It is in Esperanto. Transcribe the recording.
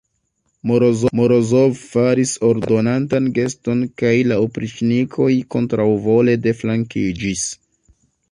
Morozov faris ordonantan geston, kaj la opriĉnikoj kontraŭvole deflankiĝis.